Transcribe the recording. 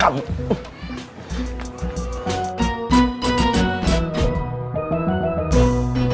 kamu gak bisa naik ke atas